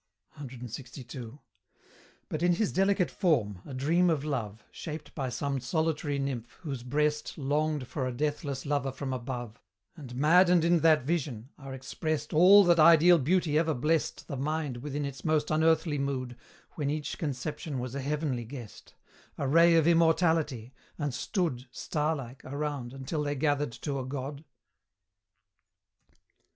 CLXII. But in his delicate form a dream of Love, Shaped by some solitary nymph, whose breast Longed for a deathless lover from above, And maddened in that vision are expressed All that ideal beauty ever blessed The mind within its most unearthly mood, When each conception was a heavenly guest A ray of immortality and stood Starlike, around, until they gathered to a god?